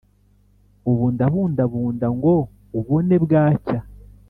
Ubundabunda ngo ubone bwacya,